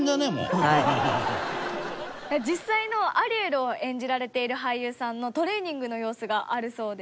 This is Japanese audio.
実際のアリエルを演じられている俳優さんのトレーニングの様子があるそうです。